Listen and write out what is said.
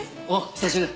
久しぶりだ。